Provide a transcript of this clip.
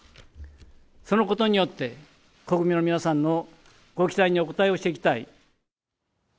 そのことによって、国民の皆さんのご期待にお応えをしていきたい。